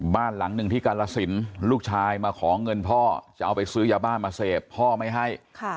บ้านหลังหนึ่งที่กาลสินลูกชายมาขอเงินพ่อจะเอาไปซื้อยาบ้ามาเสพพ่อไม่ให้